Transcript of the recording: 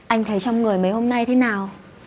anh thấy trong người mấy hôm nay thế nào